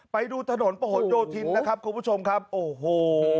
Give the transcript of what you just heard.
ไปดูถนนประหลโยธินนะครับคุณผู้ชมครับโอ้โห